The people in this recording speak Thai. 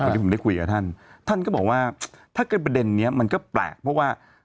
วันนี้ผมได้คุยกับท่านท่านก็บอกว่าถ้าเกิดประเด็นนี้มันก็แปลกเพราะว่า